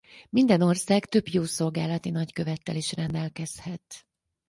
Minden ország több jószolgálati nagykövettel is rendelkezhet.